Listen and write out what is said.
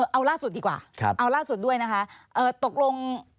เอาล่าสุดดีกว่าเอาล่าสุดด้วยนะคะตกลง